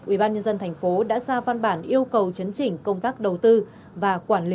ubnd tp đã ra văn bản yêu cầu chấn chỉnh công tác đầu tư